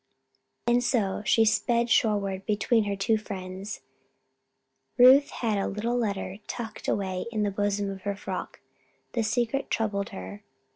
And so, as she sped shoreward between her two friends, Ruth had the little letter tucked away in the bosom of her frock. The secret troubled her.